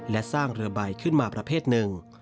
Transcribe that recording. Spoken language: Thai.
และสร้างเรือใบขึ้นมาประเภทหนึ่ง